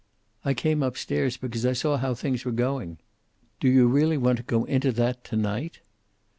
"I came up stairs because I saw how things were going." "Do you really want to go into that, to night?"